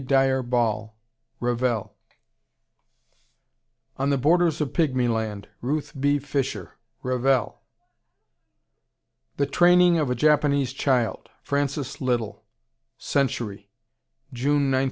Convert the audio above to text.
Dyer Ball Revell. On the Borders of Pigmy Land, Ruth B. Fisher Revell. "The Training of a Japanese Child," Francis Little Century, June, 1913.